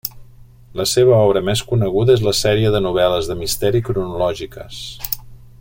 La seva obra més coneguda és la sèrie de novel·les de misteri cronològiques.